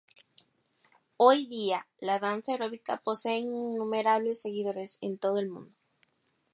Hoy día la danza aeróbica posee innumerables seguidores en todo el mundo.